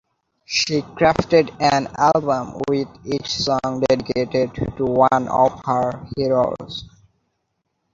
She crafted an album with each song dedicated to one of her heroes.